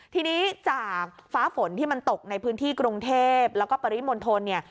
ทีนี้จากฟ้าฝนที่มันตกในพื้นที่กรุงเทพแล้วก็ปริมณฑลเนี่ย